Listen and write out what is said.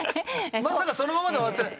まさかそのままで終わってない？